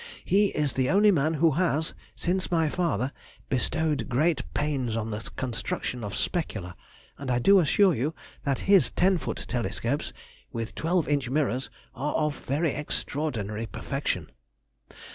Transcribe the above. He is the only man who has, since my father, bestowed great pains on the construction of specula, and I do assure you that his ten foot telescopes with twelve inch mirrors are of very extraordinary perfection.